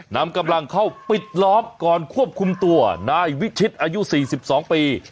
นำกำลังเข้าปิดล้อมก่อนควบคุมตัวนายวิชิตอายุ๔๒ปี